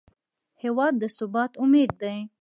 هېواد د ثبات امید دی.